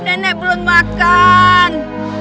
nenek belum makan